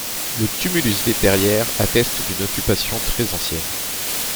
Le tumulus des Terrières atteste d'une occupation très ancienne.